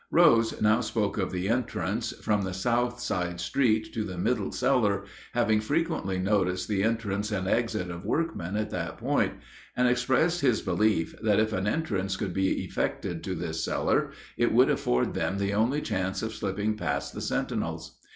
Rose now spoke of the entrance from the south side street to the middle cellar, having frequently noticed the entrance and exit of workmen at that point, and expressed his belief that if an entrance could be effected to this cellar it would afford them the only chance of slipping past the sentinels.